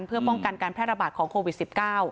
เพื่อป้องกันการแพร่ระบาดของโควิด๑๙